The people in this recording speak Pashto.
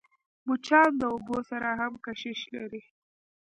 مچان د اوبو سره هم کشش لري